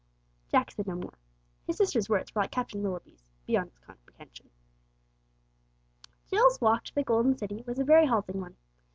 Jack said no more. His sister's words were like Captain Willoughby's, beyond his comprehension. Jill's walk to the Golden City was a very halting one.